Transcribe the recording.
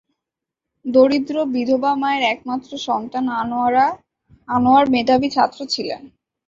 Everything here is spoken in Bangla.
দরিদ্র বিধবা মায়ের একমাত্র সন্তান আনোয়ার মেধাবী ছাত্র ছিলেন।